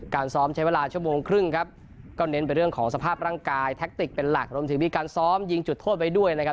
ซ้อมใช้เวลาชั่วโมงครึ่งครับก็เน้นไปเรื่องของสภาพร่างกายแทคติกเป็นหลักรวมถึงมีการซ้อมยิงจุดโทษไว้ด้วยนะครับ